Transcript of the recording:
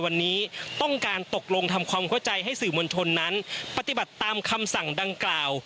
ไม่ต้องเข้าใจให้สื่อมนตรนนั้นปฏิบัติตามคำสั่งดังกล่าว